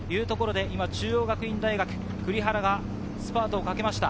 中央学院大学・栗原がスパートをかけました。